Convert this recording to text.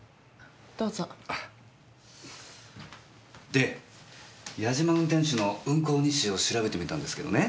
で八嶋運転手の運行日誌を調べてみたんですけどね